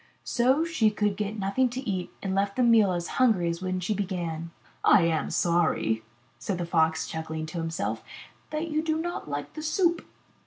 So she could get nothing to eat and left the meal as hungry as when she began. *'I am sorry," said the Fox, chuckling to himself, ''that you do not like the soup.''